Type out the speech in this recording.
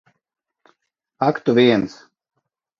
Ak tu viens!